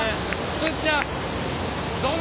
すっちゃん！